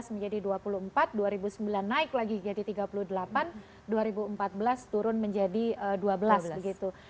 dua ribu dua puluh empat dua ribu sembilan naik lagi jadi tiga puluh delapan dua ribu empat belas turun menjadi dua belas begitu